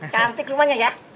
cantik rumahnya ya